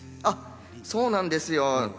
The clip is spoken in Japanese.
そうなんですよ。